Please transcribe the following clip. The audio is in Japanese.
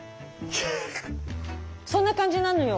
そんな感じなのよ。